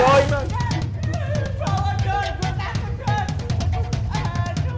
bawa dong gue takut dong